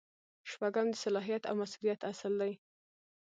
شپږم د صلاحیت او مسؤلیت اصل دی.